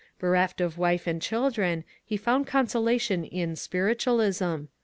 Bereft of wife and children, he found consolation in " spiritualism."